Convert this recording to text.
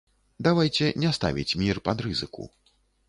Давайце не ставіць мір пад рызыку.